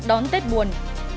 đón tết buồn